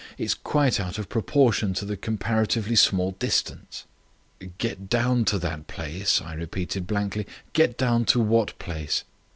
It's quite out of proportion to the comparatively small distance." "Get down to that place?" I repeated blankly. "Get down to what place?"